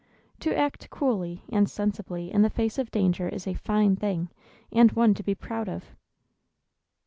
To act coolly and sensibly in the face of danger is a fine thing, and one to be proud of."